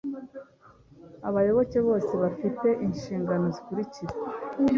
Abayoboke bose bafite inshingano zikurikira